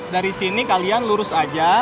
dari sini kalian lurus aja